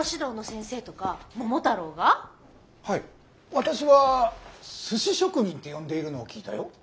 私は寿司職人って呼んでいるのを聞いたよ。